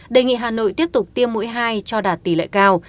đề nghị hà nội tiếp tục tiêm mũi hai cho đạt tỷ lệ cao